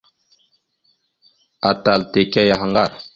Atal taka yaha ŋgar.